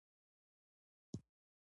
او هيڅ کومه بي دليله موضوع په کي نسته،